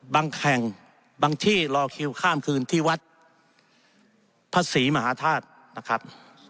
แข่งบางที่รอคิวข้ามคืนที่วัดพระศรีมหาธาตุนะครับ